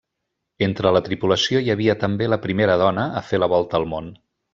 Entre la tripulació hi havia també la primera dona a fer la volta al món.